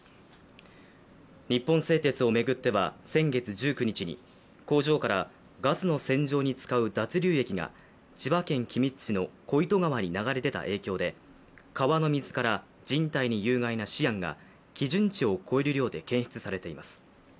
日本製鉄を巡っては先月１９日に、工場からガスの洗浄に使う脱硫液が千葉県君津市の小糸川に流れ出た影響で川の水から人体に有害なシアンが基準値を超える量で検出されています。